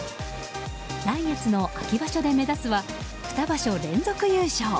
来月の秋場所で目指すは２場所連続優勝。